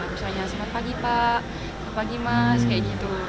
misalnya selamat pagi pak selamat pagi mas kayak gitu